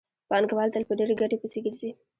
پانګوال تل په ډېرې ګټې پسې ګرځي